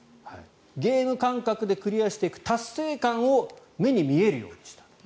ゲーム感覚でクリアしていく達成感を目に見えるようにした。